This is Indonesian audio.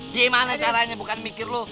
gimana caranya bukan mikir lo